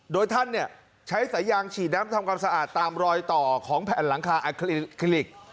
โดยท่านใช้สายยางฉีดน้ำทำความสะอาดตามรอยต่อของแผ่นหลังคาคลิลิก